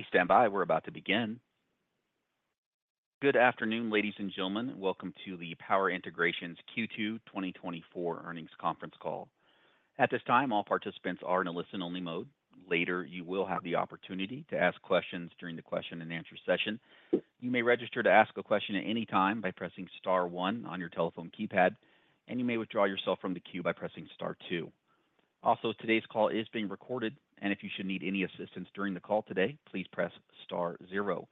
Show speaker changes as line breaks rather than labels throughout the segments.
Please stand by. We're about to begin. Good afternoon, ladies and gentlemen. Welcome to the Power Integrations Q2 2024 earnings conference call. At this time, all participants are in a listen-only mode. Later, you will have the opportunity to ask questions during the question and answer session. You may register to ask a question at any time by pressing star one on your telephone keypad, and you may withdraw yourself from the queue by pressing star two. Also, today's call is being recorded, and if you should need any assistance during the call today, please press star zero.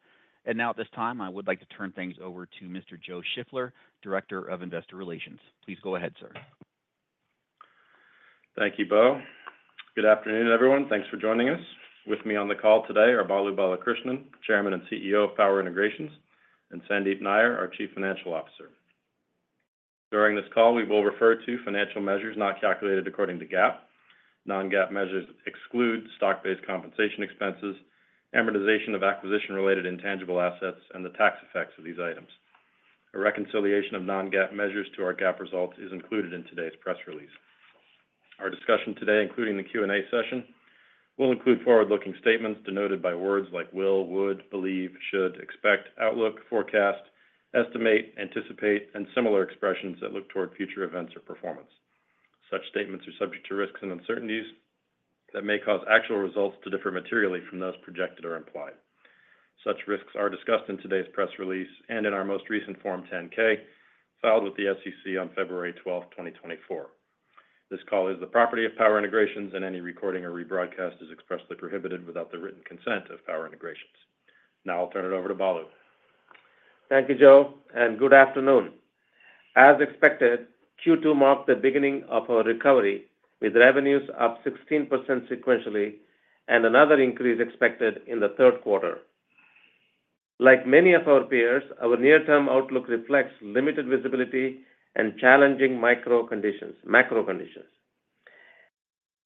And now, at this time, I would like to turn things over to Mr. Joe Shiffler, Director of Investor Relations. Please go ahead, sir.
Thank you, Bo. Good afternoon, everyone. Thanks for joining us. With me on the call today are Balu Balakrishnan, Chairman and CEO of Power Integrations, and Sandeep Nayyar, our Chief Financial Officer. During this call, we will refer to financial measures not calculated according to GAAP. Non-GAAP measures exclude stock-based compensation expenses, amortization of acquisition-related intangible assets, and the tax effects of these items. A reconciliation of non-GAAP measures to our GAAP results is included in today's press release. Our discussion today, including the Q&A session, will include forward-looking statements denoted by words like will, would, believe, should, expect, outlook, forecast, estimate, anticipate, and similar expressions that look toward future events or performance. Such statements are subject to risks and uncertainties that may cause actual results to differ materially from those projected or implied. Such risks are discussed in today's press release and in our most recent Form 10-K, filed with the SEC on February 12, 2024. This call is the property of Power Integrations, and any recording or rebroadcast is expressly prohibited without the written consent of Power Integrations. Now I'll turn it over to Balu.
Thank you, Joe, and good afternoon. As expected, Q2 marked the beginning of our recovery, with revenues up 16% sequentially and another increase expected in the third quarter. Like many of our peers, our near-term outlook reflects limited visibility and challenging macro conditions.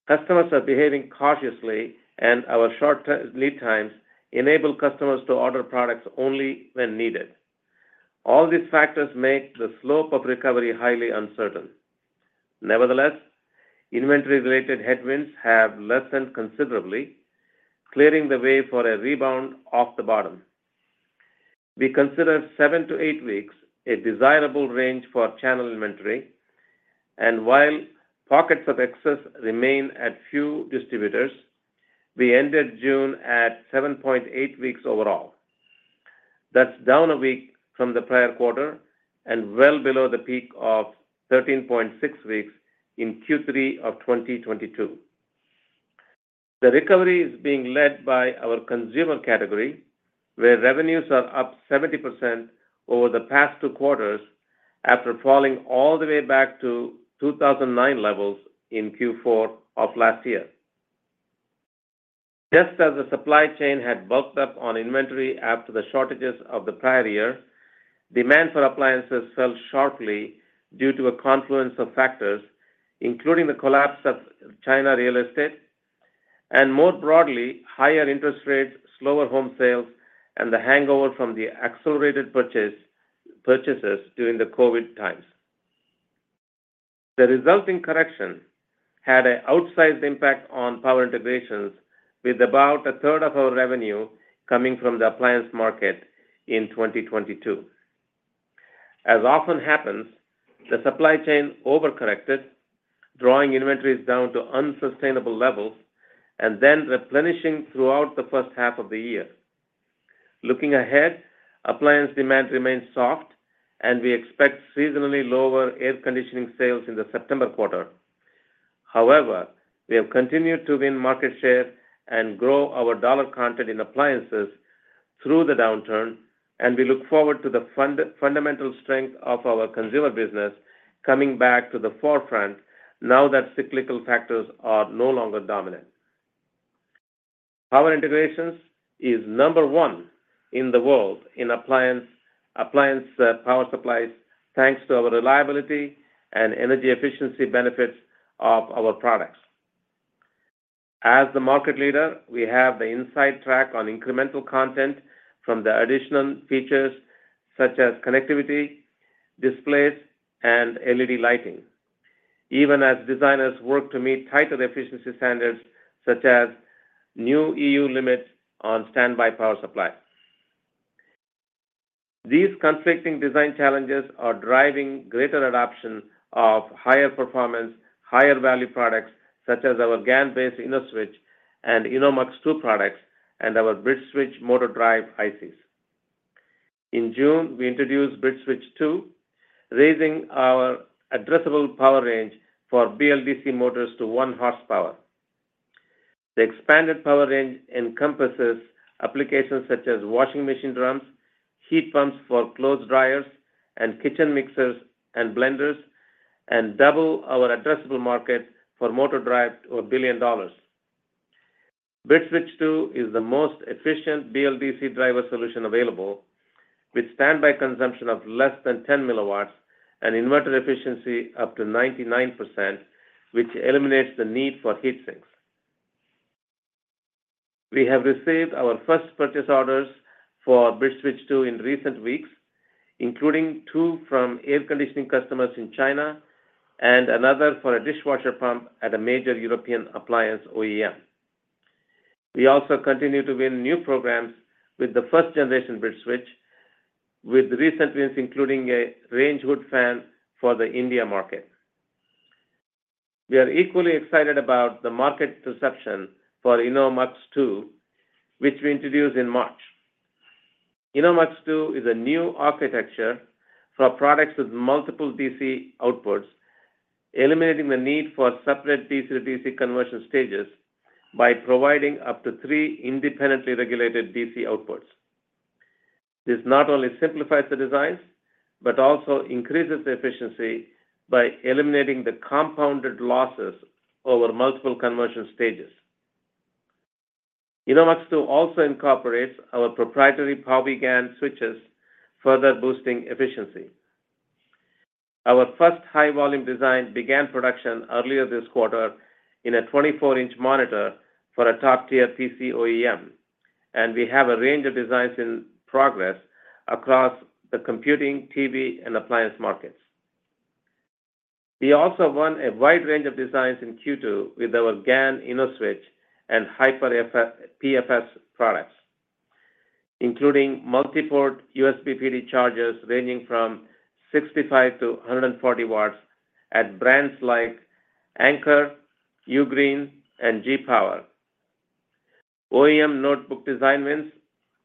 Customers are behaving cautiously, and our short-term lead times enable customers to order products only when needed. All these factors make the slope of recovery highly uncertain. Nevertheless, inventory-related headwinds have lessened considerably, clearing the way for a rebound off the bottom. We consider 7-8 weeks a desirable range for channel inventory, and while pockets of excess remain at few distributors, we ended June at 7.8 weeks overall. That's down a week from the prior quarter and well below the peak of 13.6 weeks in Q3 of 2022. The recovery is being led by our consumer category, where revenues are up 70% over the past two quarters after falling all the way back to 2009 levels in Q4 of last year. Just as the supply chain had bulked up on inventory after the shortages of the prior year, demand for appliances fell sharply due to a confluence of factors, including the collapse of China real estate and, more broadly, higher interest rates, slower home sales, and the hangover from the accelerated purchases during the COVID times. The resulting correction had an outsized impact on Power Integrations, with about a third of our revenue coming from the appliance market in 2022. As often happens, the supply chain overcorrected, drawing inventories down to unsustainable levels and then replenishing throughout the first half of the year. Looking ahead, appliance demand remains soft, and we expect seasonally lower air conditioning sales in the September quarter. However, we have continued to win market share and grow our dollar content in appliances through the downturn, and we look forward to the fundamental strength of our consumer business coming back to the forefront now that cyclical factors are no longer dominant. Power Integrations is number one in the world in appliance power supplies, thanks to our reliability and energy efficiency benefits of our products. As the market leader, we have the inside track on incremental content from the additional features such as connectivity, displays, and LED lighting, even as designers work to meet tighter efficiency standards, such as new EU limits on standby power supply. These conflicting design challenges are driving greater adoption of higher performance, higher value products, such as our GaN-based InnoSwitch and InnoMux-2 products and our BridgeSwitch motor drive ICs. In June, we introduced BridgeSwitch-2, raising our addressable power range for BLDC motors to 1 horsepower. The expanded power range encompasses applications such as washing machine drums, heat pumps for clothes dryers, and kitchen mixers and blenders, and double our addressable market for motor drive to $1 billion. BridgeSwitch-2 is the most efficient BLDC driver solution available, with standby consumption of less than 10 milliwatts and inverter efficiency up to 99%, which eliminates the need for heat sinks. We have received our first purchase orders for BridgeSwitch-2 in recent weeks... including 2 from air conditioning customers in China, and another for a dishwasher pump at a major European appliance OEM. We also continue to win new programs with the first generation BridgeSwitch, with recent wins, including a range hood fan for the India market. We are equally excited about the market reception for InnoMux-2, which we introduced in March. InnoMux-2 is a new architecture for products with multiple DC outputs, eliminating the need for separate DC to DC conversion stages by providing up to three independently regulated DC outputs. This not only simplifies the designs, but also increases the efficiency by eliminating the compounded losses over multiple conversion stages. InnoMux-2 also incorporates our proprietary PowiGaN switches, further boosting efficiency. Our first high-volume design began production earlier this quarter in a 24-inch monitor for a top-tier PC OEM, and we have a range of designs in progress across the computing, TV, and appliance markets. We also won a wide range of designs in Q2 with our GaN InnoSwitch and HiperPFS products, including multi-port USB PD chargers ranging from 65-140 watts at brands like Anker, Ugreen, and G-Power. OEM notebook design wins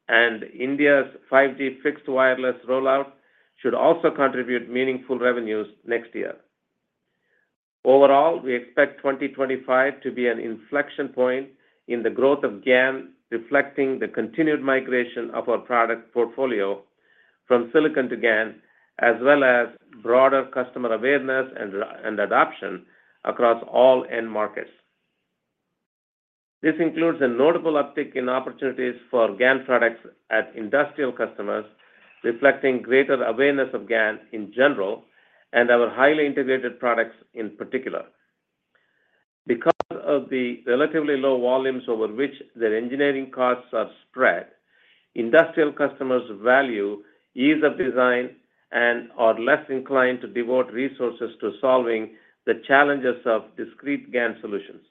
and India's 5G fixed wireless rollout should also contribute meaningful revenues next year. Overall, we expect 2025 to be an inflection point in the growth of GaN, reflecting the continued migration of our product portfolio from silicon to GaN, as well as broader customer awareness and adoption across all end markets. This includes a notable uptick in opportunities for GaN products at industrial customers, reflecting greater awareness of GaN in general, and our highly integrated products in particular. Because of the relatively low volumes over which their engineering costs are spread, industrial customers value ease of design and are less inclined to devote resources to solving the challenges of discrete GaN solutions.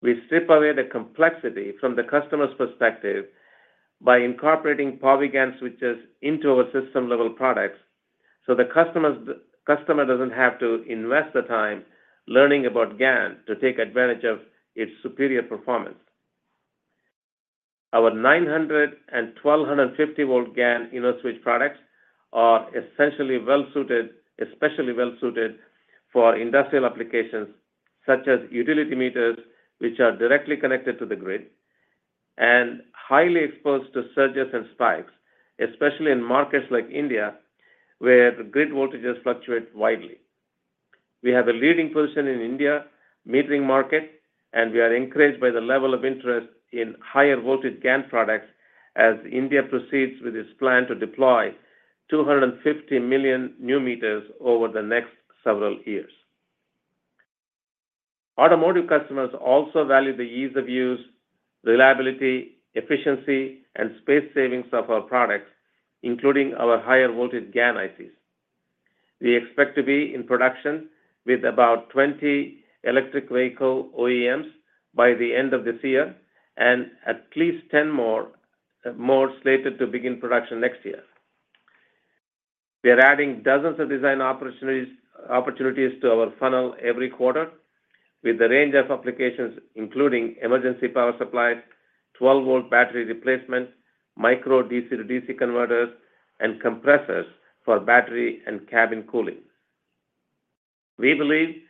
We strip away the complexity from the customer's perspective by incorporating PowiGaN switches into our system-level products, so the customers, the customer doesn't have to invest the time learning about GaN to take advantage of its superior performance. Our 900- and 1250-volt GaN InnoSwitch products are essentially well-suited, especially well-suited for industrial applications, such as utility meters, which are directly connected to the grid, and highly exposed to surges and spikes, especially in markets like India, where the grid voltages fluctuate widely. We have a leading position in India metering market, and we are encouraged by the level of interest in higher voltage GaN products as India proceeds with its plan to deploy 250 million new meters over the next several years. Automotive customers also value the ease of use, reliability, efficiency, and space savings of our products, including our higher voltage GaN ICs. We expect to be in production with about 20 electric vehicle OEMs by the end of this year, and at least 10 more slated to begin production next year. We are adding dozens of design opportunities to our funnel every quarter, with a range of applications, including emergency power supplies, 12-volt battery replacements, micro DC to DC converters, and compressors for battery and cabin cooling. We believe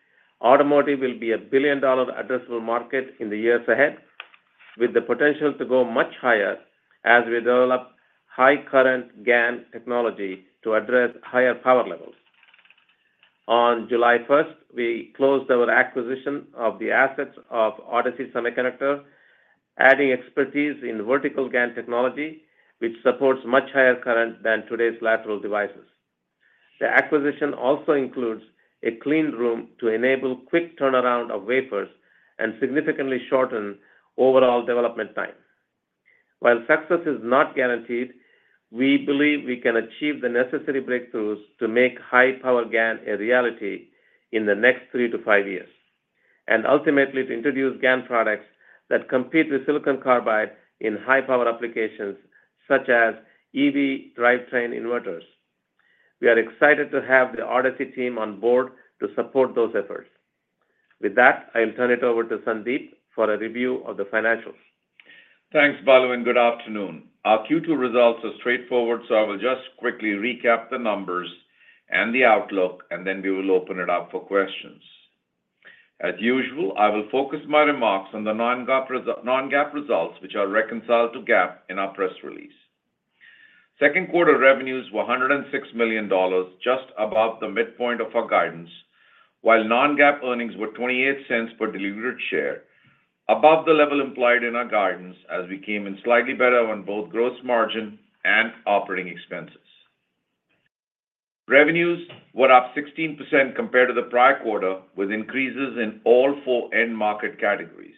automotive will be a billion-dollar addressable market in the years ahead, with the potential to go much higher as we develop high current GaN technology to address higher power levels. On July first, we closed our acquisition of the assets of Odyssey Semiconductor, adding expertise in vertical GaN technology, which supports much higher current than today's lateral devices. The acquisition also includes a clean room to enable quick turnaround of wafers and significantly shorten overall development time. While success is not guaranteed, we believe we can achieve the necessary breakthroughs to make high-power GaN a reality in the next three to five years, and ultimately to introduce GaN products that compete with silicon carbide in high-power applications such as EV drivetrain inverters. We are excited to have the Odyssey team on board to support those efforts. With that, I'll turn it over to Sandeep for a review of the financials.
Thanks, Balu, and good afternoon. Our Q2 results are straightforward, so I will just quickly recap the numbers and the outlook, and then we will open it up for questions. As usual, I will focus my remarks on the non-GAAP results, which are reconciled to GAAP in our press release. Second quarter revenues were $106 million, just above the midpoint of our guidance, while non-GAAP earnings were $0.28 per delivered share, above the level implied in our guidance as we came in slightly better on both gross margin and operating expenses. Revenues were up 16% compared to the prior quarter, with increases in all four end market categories.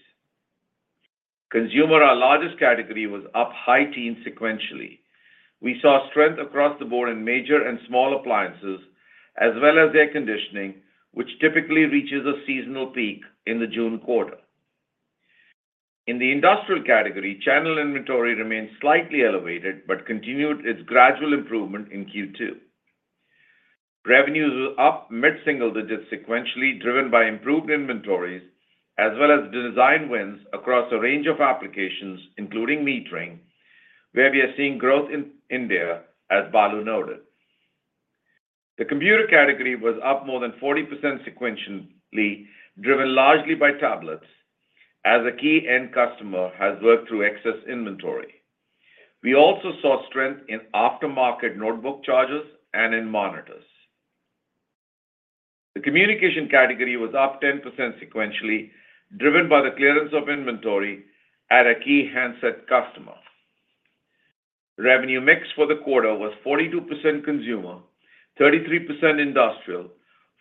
Consumer, our largest category, was up high teens sequentially. We saw strength across the board in major and small appliances, as well as air conditioning, which typically reaches a seasonal peak in the June quarter. In the industrial category, channel inventory remains slightly elevated, but continued its gradual improvement in Q2. Revenues were up mid-single digits sequentially, driven by improved inventories, as well as the design wins across a range of applications, including metering, where we are seeing growth in India, as Balu noted. The computer category was up more than 40% sequentially, driven largely by tablets, as a key end customer has worked through excess inventory. We also saw strength in aftermarket notebook chargers and in monitors. The communication category was up 10% sequentially, driven by the clearance of inventory at a key handset customer. Revenue mix for the quarter was 42% consumer, 33% industrial,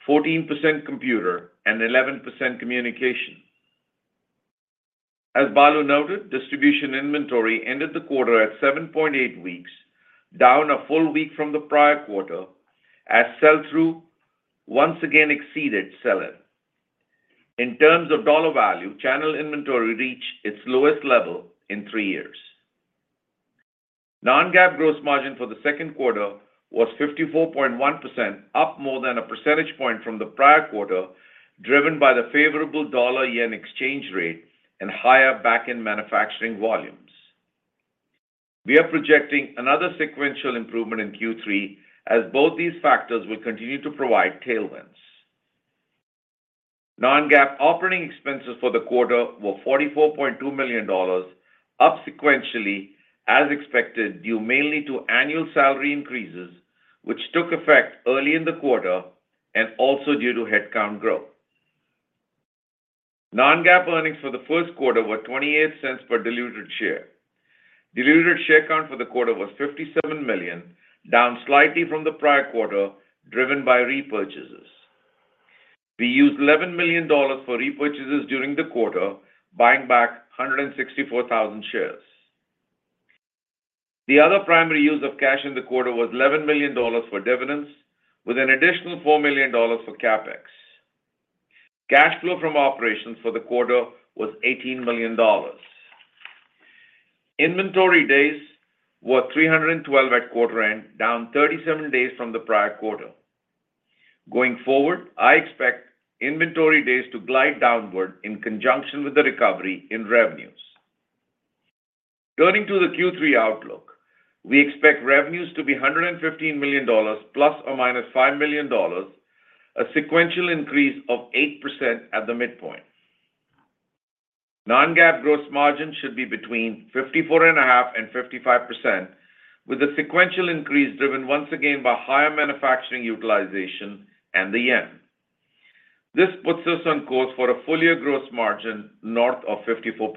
14% computer, and 11% communication. As Balu noted, distribution inventory ended the quarter at 7.8 weeks, down a full week from the prior quarter, as sell-through once again exceeded sell-in. In terms of dollar value, channel inventory reached its lowest level in 3 years. Non-GAAP gross margin for the second quarter was 54.1%, up more than a percentage point from the prior quarter, driven by the favorable dollar-yen exchange rate and higher back-end manufacturing volumes. We are projecting another sequential improvement in Q3 as both these factors will continue to provide tailwinds. Non-GAAP operating expenses for the quarter were $44.2 million, up sequentially as expected, due mainly to annual salary increases, which took effect early in the quarter and also due to headcount growth. Non-GAAP earnings for the first quarter were $0.28 per diluted share. Diluted share count for the quarter was 57 million, down slightly from the prior quarter, driven by repurchases. We used $11 million for repurchases during the quarter, buying back 164,000 shares. The other primary use of cash in the quarter was $11 million for dividends, with an additional $4 million for CapEx. Cash flow from operations for the quarter was $18 million. Inventory days were 312 at quarter end, down 37 days from the prior quarter. Going forward, I expect inventory days to glide downward in conjunction with the recovery in revenues. Turning to the Q3 outlook, we expect revenues to be $115 million, plus or minus $5 million, a sequential increase of 8% at the midpoint. Non-GAAP gross margin should be between 54.5% and 55%, with a sequential increase driven once again by higher manufacturing utilization and the yen. This puts us on course for a full year gross margin north of 54%.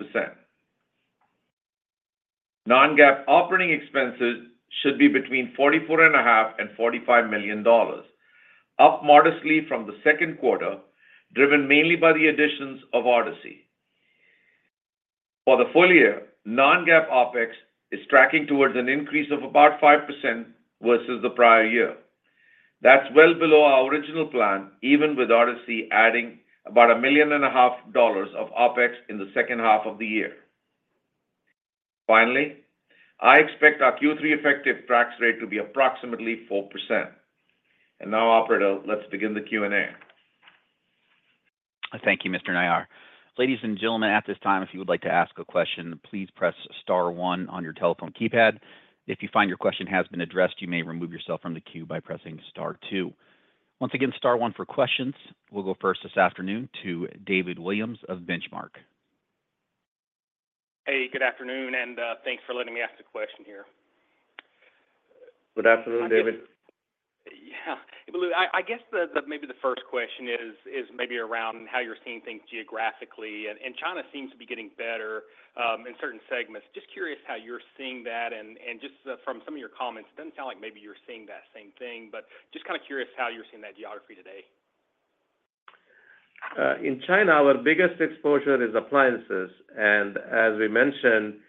Non-GAAP operating expenses should be between $44.5 million and $45 million, up modestly from the second quarter, driven mainly by the additions of Odyssey. For the full year, non-GAAP OpEx is tracking towards an increase of about 5% versus the prior year. That's well below our original plan, even with Odyssey adding about $1.5 million of OpEx in the second half of the year. Finally, I expect our Q3 effective tax rate to be approximately 4%. Now, operator, let's begin the Q&A.
Thank you, Mr. Nair. Ladies and gentlemen, at this time, if you would like to ask a question, please press star one on your telephone keypad. If you find your question has been addressed, you may remove yourself from the queue by pressing star two. Once again, star one for questions. We'll go first this afternoon to David Williams of Benchmark.
Hey, good afternoon, and, thanks for letting me ask a question here.
Good afternoon, David.
Yeah. Well, I guess maybe the first question is maybe around how you're seeing things geographically, and China seems to be getting better in certain segments. Just curious how you're seeing that, and just from some of your comments, it doesn't sound like maybe you're seeing that same thing, but just kinda curious how you're seeing that geography today.
In China, our biggest exposure is appliances, and as we mentioned,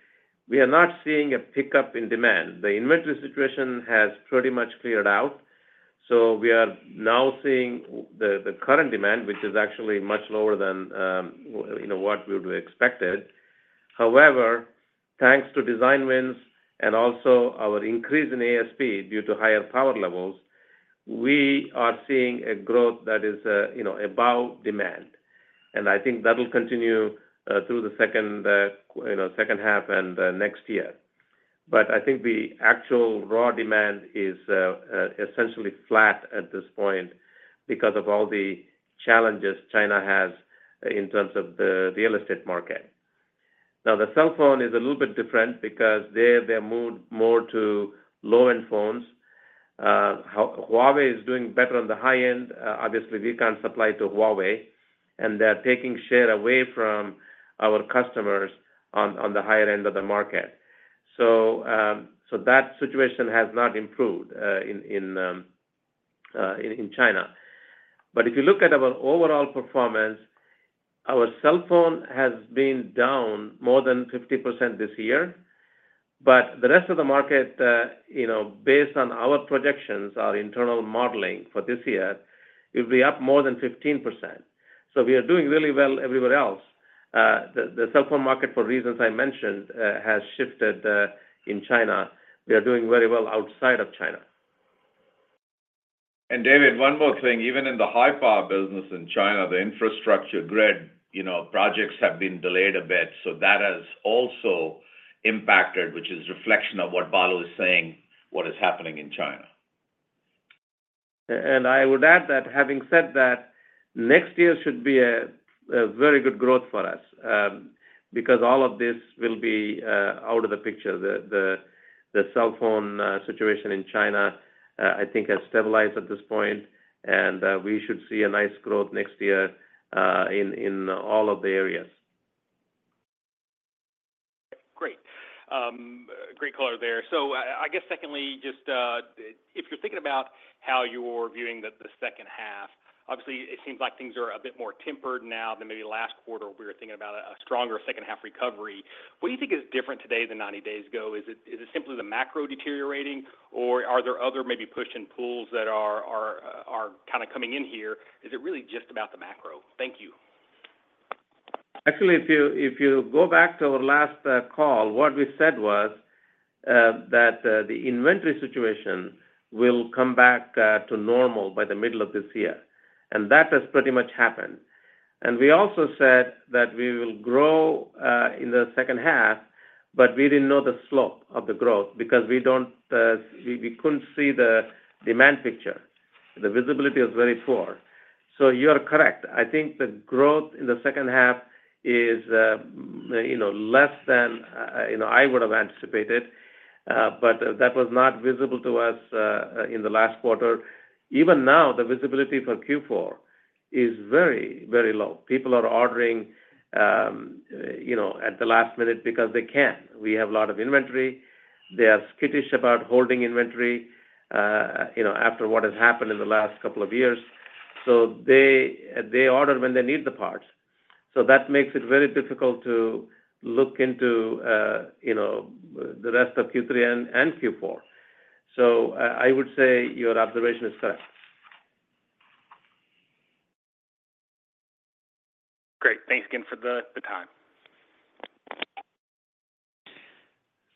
we are not seeing a pickup in demand. The inventory situation has pretty much cleared out, so we are now seeing the current demand, which is actually much lower than, you know, what we would expected. However, thanks to design wins and also our increase in ASP due to higher power levels, we are seeing a growth that is, you know, above demand. And I think that will continue through the second, you know, second half and, next year. But I think the actual raw demand is essentially flat at this point because of all the challenges China has in terms of the real estate market. Now, the cell phone is a little bit different because they're more to low-end phones. Huawei is doing better on the high end. Obviously, we can't supply to Huawei, and they're taking share away from our customers on the higher end of the market.
So, that situation has not improved in China. But if you look at our overall performance, our cell phone has been down more than 50% this year. But the rest of the market, you know, based on our projections, our internal modeling for this year, it'll be up more than 15%. So we are doing really well everywhere else. The cell phone market, for reasons I mentioned, has shifted in China. We are doing very well outside of China.
And David, one more thing. Even in the high power business in China, the infrastructure grid, you know, projects have been delayed a bit, so that has also impacted, which is a reflection of what Balu is saying, what is happening in China.
And I would add that, having said that, next year should be a very good growth for us, because all of this will be out of the picture. The cell phone situation in China, I think, has stabilized at this point, and we should see a nice growth next year in all of the areas.
Great. Great color there. So I guess secondly, just, if you're thinking about how you're viewing the second half, obviously it seems like things are a bit more tempered now than maybe last quarter, we were thinking about a stronger second half recovery. What do you think is different today than 90 days ago? Is it simply the macro deteriorating, or are there other maybe push and pulls that are kind of coming in here? Is it really just about the macro? Thank you.
Actually, if you, if you go back to our last call, what we said was that the inventory situation will come back to normal by the middle of this year, and that has pretty much happened. We also said that we will grow in the second half, but we didn't know the slope of the growth because we couldn't see the demand picture. The visibility is very poor. So you are correct. I think the growth in the second half is, you know, less than, you know, I would have anticipated, but that was not visible to us in the last quarter. Even now, the visibility for Q4 is very, very low. People are ordering, you know, at the last minute because they can. We have a lot of inventory. They are skittish about holding inventory, you know, after what has happened in the last couple of years. So they, they order when they need the parts. So that makes it very difficult to look into, you know, the rest of Q3 and, and Q4. So I, I would say your observation is correct.
Great. Thanks again for the time.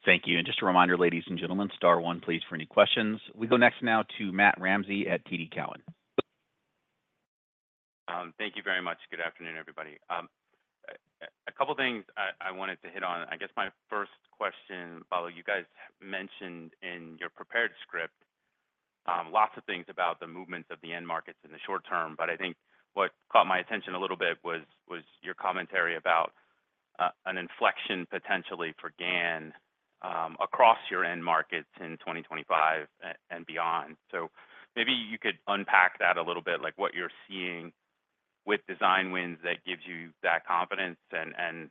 Thank you. Just a reminder, ladies and gentlemen, star one, please, for any questions. We go next now to Matt Ramsey at TD Cowen.
Thank you very much. Good afternoon, everybody. A couple of things I wanted to hit on. I guess my first question, Balu, you guys mentioned in your prepared script, lots of things about the movements of the end markets in the short term, but I think what caught my attention a little bit was your commentary about an inflection potentially for GaN across your end markets in 2025 and beyond. So maybe you could unpack that a little bit, like, what you're seeing with design wins that gives you that confidence. And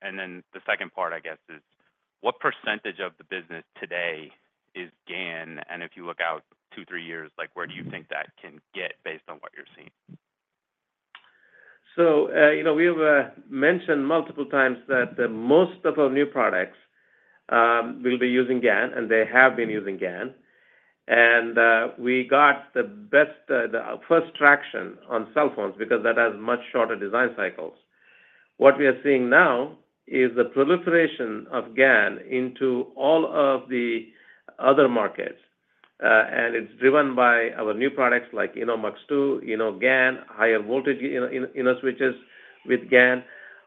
then the second part, I guess, is what percentage of the business today is GaN? And if you look out two, three years, like, where do you think that can get based on what you're seeing?
So, you know, we've mentioned multiple times that most of our new products will be using GaN, and they have been using GaN. And we got the best, the first traction on cell phones because that has much shorter design cycles. What we are seeing now is the proliferation of GaN into all of the other markets, and it's driven by our new products like InnoMux-2, InnoGaN, higher voltage in our switches with GaN.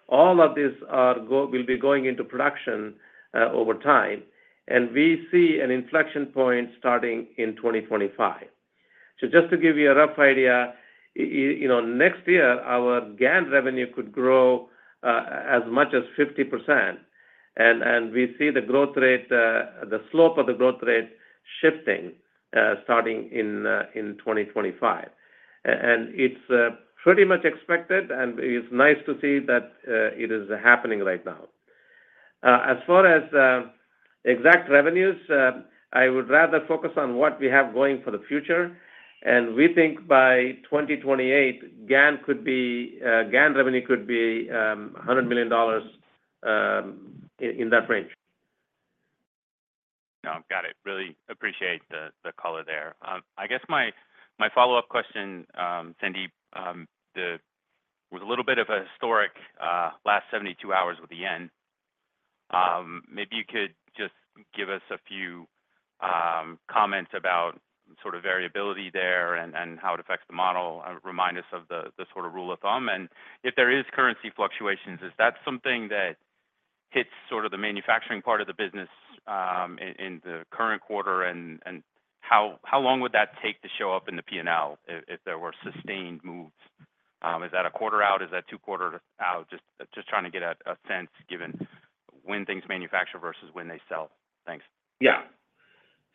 All of these will be going into production over time, and we see an inflection point starting in 2025. So just to give you a rough idea, you know, next year, our GaN revenue could grow as much as 50%, and we see the growth rate, the slope of the growth rate shifting, starting in 2025. And it's pretty much expected, and it's nice to see that it is happening right now. As far as exact revenues, I would rather focus on what we have going for the future, and we think by 2028, GaN could be, GaN revenue could be $100 million in that range.
No, I've got it. Really appreciate the color there. I guess my follow-up question, Sandeep, with a little bit of a historic last 72 hours with the end, maybe you could just give us a few comments about sort of variability there and how it affects the model, and remind us of the sort of rule of thumb. And if there is currency fluctuations, is that something that hits sort of the manufacturing part of the business in the current quarter? And how long would that take to show up in the P&L if there were sustained moves? Is that a quarter out? Is that 2 quarters out? Just trying to get a sense given when things manufacture versus when they sell. Thanks.
Yeah.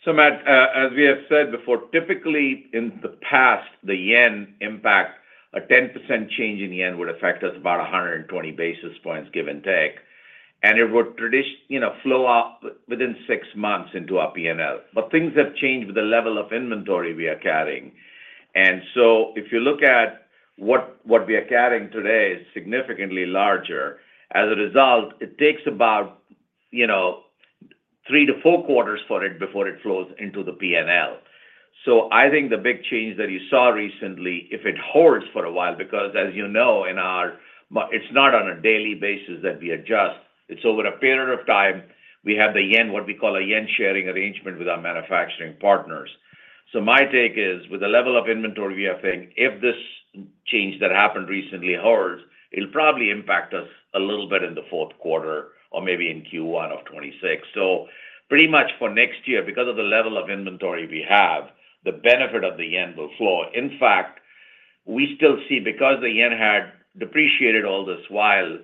So, Matt, as we have said before, typically in the past, the yen impact, a 10% change in the yen would affect us about 120 basis points, give and take, and it would, you know, flow out within six months into our P&L. But things have changed with the level of inventory we are carrying. And so if you look at what we are carrying today is significantly larger. As a result, it takes about, you know, three to four quarters for it before it flows into the P&L. So I think the big change that you saw recently, if it holds for a while, because as you know, it's not on a daily basis that we adjust. It's over a period of time, we have the yen, what we call a yen-sharing arrangement with our manufacturing partners. So my take is, with the level of inventory we are having, if this change that happened recently holds, it'll probably impact us a little bit in the fourth quarter or maybe in Q1 of 2026. So pretty much for next year, because of the level of inventory we have, the benefit of the yen will flow. In fact, we still see, because the yen had depreciated all this while,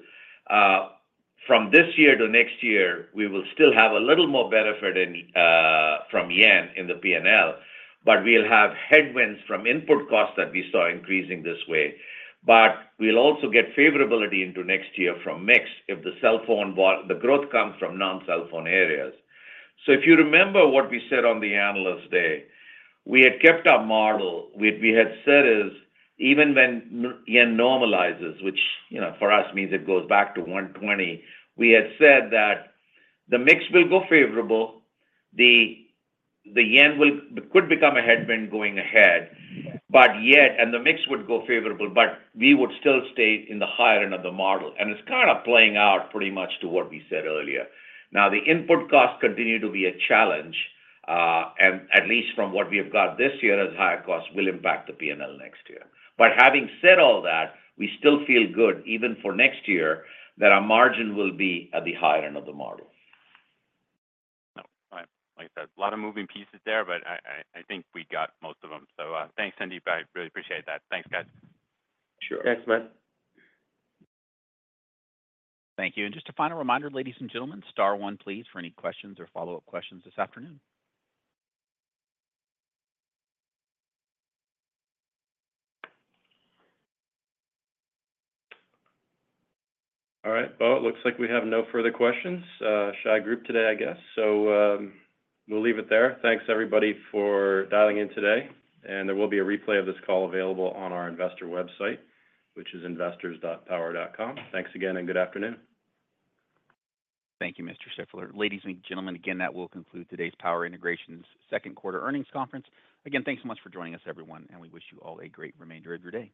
from this year to next year, we will still have a little more benefit in, from yen in the P&L, but we'll have headwinds from input costs that we saw increasing this way. But we'll also get favorability into next year from mix if the cell phone the growth comes from non-cell phone areas. So if you remember what we said on the Analyst Day, we had kept our model. We had said, even when the yen normalizes, which, you know, for us, means it goes back to 120, we had said that the mix will go favorable, the yen could become a headwind going ahead, but yet the mix would go favorable, but we would still stay in the higher end of the model, and it's kinda playing out pretty much to what we said earlier. Now, the input costs continue to be a challenge, and at least from what we have got this year, as higher costs will impact the P&L next year. But having said all that, we still feel good, even for next year, that our margin will be at the higher end of the model.
Oh, all right. Like I said, a lot of moving pieces there, but I think we got most of them. So, thanks, Sandeep. I really appreciate that. Thanks, guys.
Sure.
Thanks, Matt.
Thank you. Just a final reminder, ladies and gentlemen, star one, please, for any questions or follow-up questions this afternoon.
All right. Well, it looks like we have no further questions. Shy group today, I guess. So, we'll leave it there. Thanks, everybody, for dialing in today, and there will be a replay of this call available on our investor website, which is investors.power.com. Thanks again, and good afternoon.
Thank you, Mr. Shiffler. Ladies and gentlemen, again, that will conclude today's Power Integrations second quarter earnings conference. Again, thanks so much for joining us, everyone, and we wish you all a great remainder of your day.